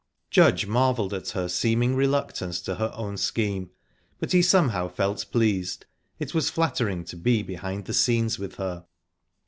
Judge marvelled at her seeming reluctance to her own scheme, but he somehow felt pleased. It was flattering to be behind the scenes with her.